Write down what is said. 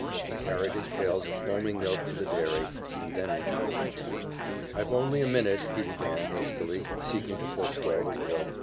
He carried his pails of foaming milk to the dairy, and then entered the kitchen. "I've only a minute," he began hastily, seeking to forestall the widow.